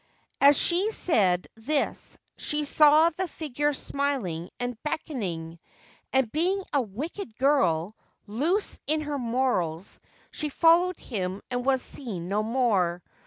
As she said this she saw the figure smiling and beckon ing, and, being a wicked girl, loose in her morals, she followed him and was seen no more.